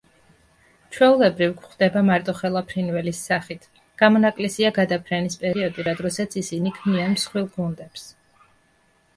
ჩვეულებრივ გვხვდება მარტოხელა ფრინველის სახით, გამონაკლისია გადაფრენის პერიოდი, რა დროსაც ისინი ქმნიან მსხვილ გუნდებს.